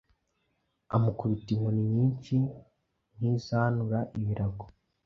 amukubita inkoni nyinshi nk’izanura ibirago